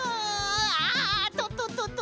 ああ！ととととと。